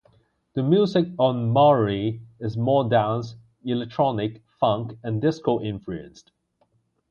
The music on 'Maui' is more dance, electronic, funk and disco influenced.